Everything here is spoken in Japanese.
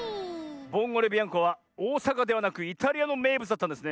ボンゴレビアンコはおおさかではなくイタリアのめいぶつだったんですねえ。